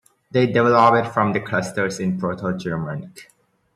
They developed from the clusters in Proto-Germanic.